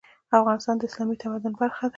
افغانستان د اسلامي تمدن برخه ده.